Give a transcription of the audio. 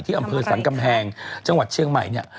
อำเภอสรรกำแพงจังหวัดเชียงใหม่เนี่ย